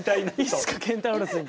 いつかケンタウロスに。